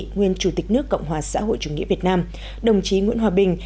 nguyên chủ tịch nước cộng hòa xã hội chủ nghĩa việt nam đồng chí nguyễn hòa bình